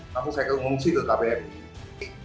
langsung saya keumumsi ke kbri